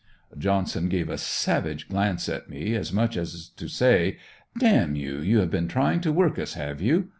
Johnson gave a savage glance at me as much as to say: d m you, you have been trying to work us, have you?